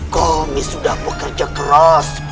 kami sudah bekerja keras